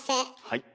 はい。